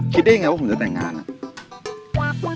คิดได้ยังไงว่าผมจะแต่งงานอ่ะ